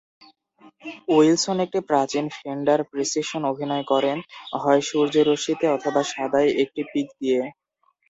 Wilson একটি প্রাচীন Fender Precision অভিনয় করেন, হয় সূর্যরশ্মিতে অথবা সাদায়, একটি পিক দিয়ে।